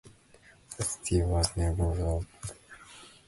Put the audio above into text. The city was the nerve center of rebel activity against Portuguese occupation.